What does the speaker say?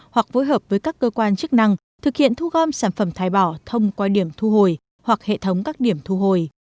hoặc phối hợp với các cơ quan chức năng thực hiện thu gom sản phẩm thải bỏ thông qua điểm thu hồi hoặc hệ thống các điểm thu hồi